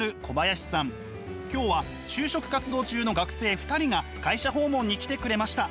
今日は就職活動中の学生２人が会社訪問に来てくれました。